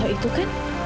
loh itu kan